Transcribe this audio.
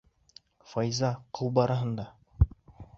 Файза, ҡыу барыһын да!